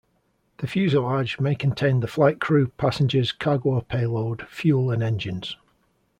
The fuselage may contain the flight crew, passengers, cargo or payload, fuel and engines.